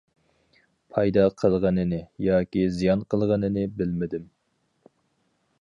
پايدا قىلغىنىنى ياكى زىيان قىلغىنىنى بىلمىدىم.